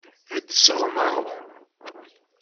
Ad d-tesɣem aɣrum.